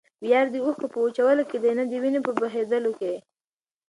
ویاړ د اوښکو په وچولو کښي دئ؛ نه دوینو په بهېودلو کښي.